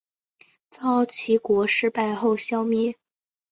遭齐国击败后消失。